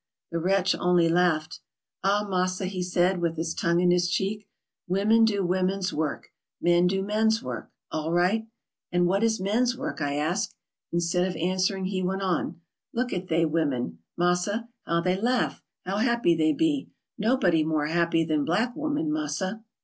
The wretch only laughed. "Ah, massa," he said, with his tongue in his cheek, " women do women's work, men do men's work — all right." "And what is men's work? " I asked. Instead of answering he went on, 424 TRAVELERS AND EXPLORERS " Look at they women, massa — how they laugh, how happy they be ! Nobody more happy than black woman, massa.